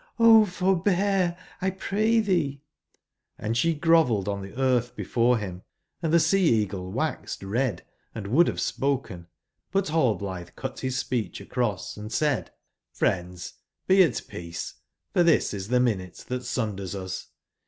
O forbear I X pray tbeeT'ji^Hnd sbe grovelled on tbe eartb before bim ; and tbe Sea/eagle waxed red, and would bave spoken; but Rallblitbe cut bis speech across, and said :*' friends, be at peace t for tbis is tbe minute tbat sunders us.